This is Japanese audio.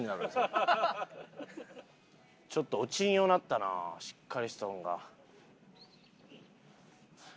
ちょっと落ちんようになったなしっかりしとるんか。